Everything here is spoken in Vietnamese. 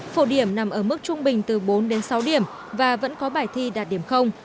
phổ điểm nằm ở mức trung bình từ bốn đến sáu điểm và vẫn có bài thi đạt điểm